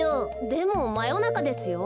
でもまよなかですよ。